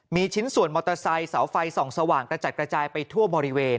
มีชิ้นส่วนมอเตอร์ไซค์เสาไฟส่องสว่างกระจัดกระจายไปทั่วบริเวณ